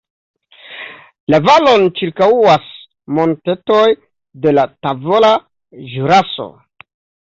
La valon ĉirkaŭas montetoj de la Tavola Ĵuraso.